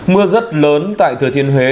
mưa rất lớn tại thừa thiên huế